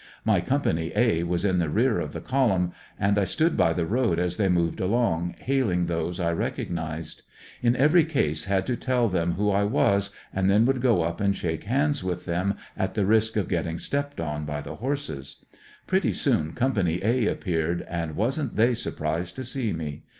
My company "A" was in the rear of the column, and I stood by the road as they moved along, hailing those I recognized. In every case had to tell them who I was and then would go up and shake hands with them at the risk of getting stepped on by the horses. Pretty soon Co. "A" appeared, and wasn't they surprised to see me.